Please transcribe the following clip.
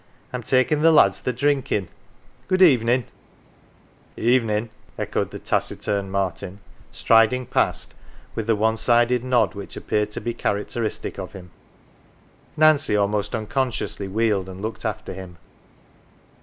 I'm takin' the lads their drinkin'. Good eveninV " Evenin'," echoed the taciturn Martin, striding past with the one sided nod which appeared to be character istic of him. Nancy almost unconsciously wheeled, and looked after him.